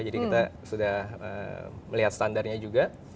jadi kita sudah melihat standarnya juga